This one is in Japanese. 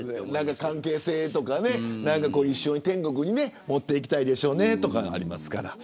関係性というか天国に持っていきたいでしょうねというのがありますから。